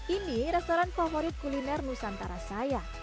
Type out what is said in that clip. ini restoran favorit kuliner nusantara saya